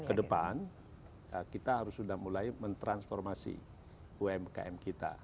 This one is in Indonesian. ke depan kita harus sudah mulai mentransformasi umkm kita